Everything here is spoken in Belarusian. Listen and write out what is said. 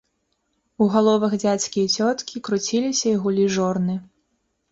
У галовах дзядзькі і цёткі круціліся і гулі жорны.